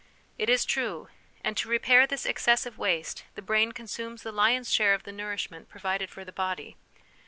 It is true : and to repair this excessive waste, the brain consumes the Inn's share of the nourishment provided for the body.